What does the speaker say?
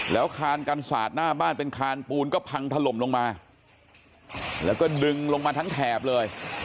แล้วคานกันศาสตร์หน้าบ้านเป็นคานปูนก็พังถล่มลงมาแล้วก็ดึงลงมาทั้งแถบเลย